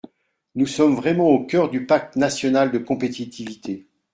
Nous sommes vraiment au cœur du pacte national de compétitivité.